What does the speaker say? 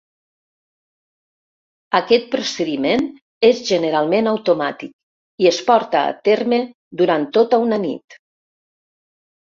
Aquest procediment és generalment automàtic, i es porta a terme durant tota una nit.